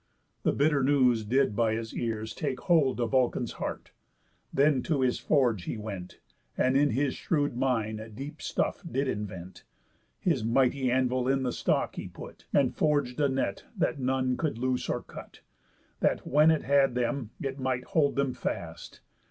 The bitter news did by his ears take hold Of Vulcan's heart. Then to his forge he went, And in his shrewd mind deep stuff did invent. His mighty anvil in the stock he put, And forg'd a net that none could loose or cut, That when it had them it might hold them fast.